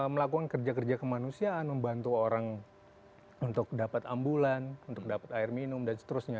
melakukan kerja kerja kemanusiaan membantu orang untuk dapat ambulan untuk dapat air minum dan seterusnya